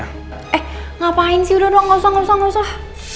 eh ngapain sih udah dong gak usah gak usah gak usah